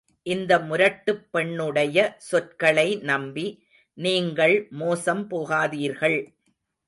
இந்த முரட்டுப் பெண்ணுடைய சொற்களை நம்பி, நீங்கள் மோசம் போகாதீர்கள்.